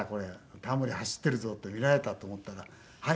タモリ走ってるぞって見られたと思ったら「はい。